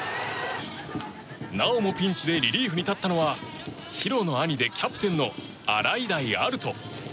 なおもピンチでリリーフに立ったのは比呂の兄でキャプテンの洗平歩人。